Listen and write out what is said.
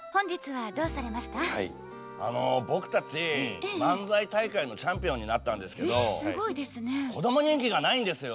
あの僕たち漫才大会のチャンピオンになったんですけどこども人気がないんですよ。